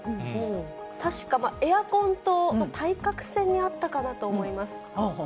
確かエアコンと対角線にあったかなと思います。